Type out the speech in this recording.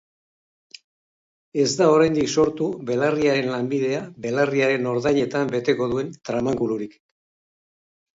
Ez da oraindik sortu belarriaren lanbidea belarriaren ordainetan beteko duen tramankulurik.